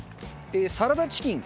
サラダチキン。